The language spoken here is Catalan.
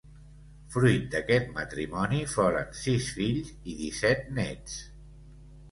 Fruit d'aquest matrimoni foren sis fills i disset néts.